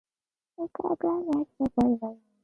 Mrs. Bennet could hardly contain herself.